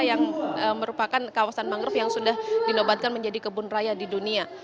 yang merupakan kawasan mangrove yang sudah dinobatkan menjadi kebun raya di dunia